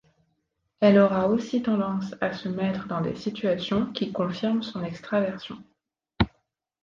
Elle aura aussi tendance à se mettre dans des situations qui confirment son extraversion.